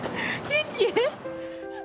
元気？